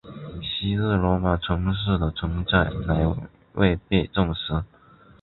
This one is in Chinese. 昔日罗马城市的存在仍未被证实。